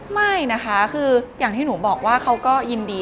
อเรนนี่อเจมส์วิวว์าร์คืออย่างที่หนูบอกว่าเขาก็ยินดี